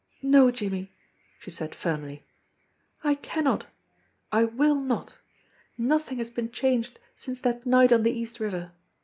"No, Jimmie!" she said firmly. "I cannot! I will not! Nothing has been changed since that night on the East River.